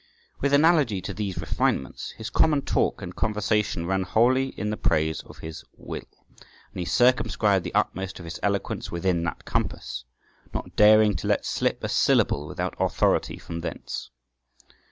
With analogy to these refinements, his common talk and conversation ran wholly in the praise of his Will, and he circumscribed the utmost of his eloquence within that compass, not daring to let slip a syllable without authority from thence.